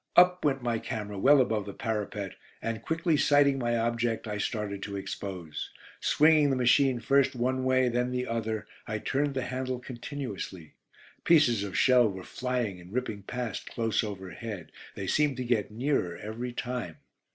Up went my camera well above the parapet and, quickly sighting my object, I started to expose. Swinging the machine first one way then the other, I turned the handle continuously. Pieces of shell were flying and ripping past close overhead. They seemed to get nearer every time.